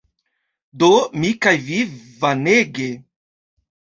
Do, mi kaj vi Vanege